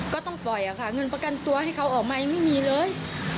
ก็ต้องปล่อยค่ะเงินประกันตัวให้เขาออกมายังไม่มีเลย